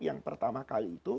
yang pertama kali itu